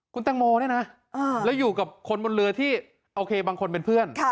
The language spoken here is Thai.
คุณแตงโมเนี่ยนะแล้วอยู่กับคนบนเรือที่โอเคบางคนเป็นเพื่อน